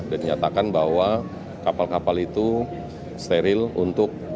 dan dinyatakan bahwa kapal kapal itu steril untuk